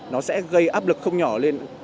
nó sẽ gây áp lực không nhỏ cho hoạt động